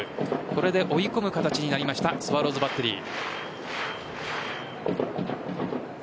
これで追い込む形になりましたスワローズバッテリー。